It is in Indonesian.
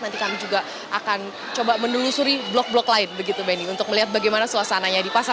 nanti kami juga akan menelusuri blok blok lain untuk melihat bagaimana suasananya di pasar